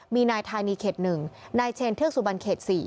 มีนายธานีเขต๑นายเชนเทือกสุบันเขต๔